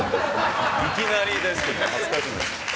いきなりで、恥ずかしいです。